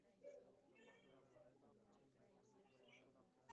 استاد د انسان ژوند ته هدف ورکوي.